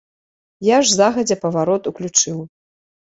Я ж загадзя паварот уключыў.